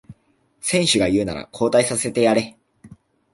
選手が言うなら交代させてやれ